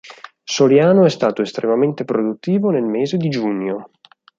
Soriano è stato estremamente produttivo nel mese di giugno.